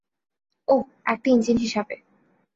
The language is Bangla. ওহ, একটা ইঞ্জিন হিসাবে।